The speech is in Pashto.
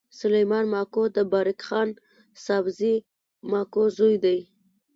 سلیمان ماکو د بارک خان سابزي ماکو زوی دﺉ.